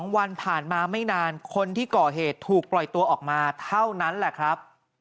๒วันผ่านมาไม่นานคนที่ก่อเหตุถูกปล่อยตัวออกมาเท่านั้นแหละครับ